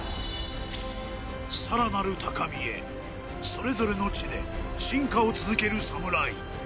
さらなる高みへ、それぞれの地で進化を続けるＳＡＭＵＲＡＩ。